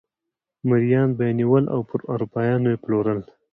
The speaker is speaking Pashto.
مریان به یې نیول او پر اروپایانو پلورل.